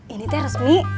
ini teh resmi